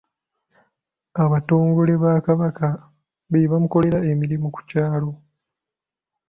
Abatongole ba Kabaka be bamukolera emirimu ku byalo.